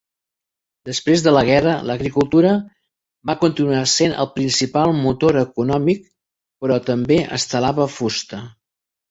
Després de la guerra, l'agricultura va continuar sent el principal motor econòmic, però també es talava fusta.